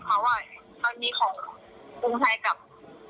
เป็ดใช่มั้ยเป็นผู้ใช่มั้ย